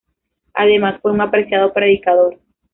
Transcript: Además, fue un apreciado predicador.